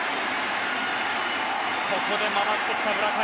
ここで回ってきた村上。